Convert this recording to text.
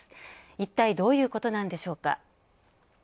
一体、どういうことなんでしょうか。